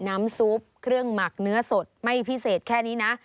น้ำซุปเครื่องหมักเนื้อสดไม่พิเศษแค่นี้นะ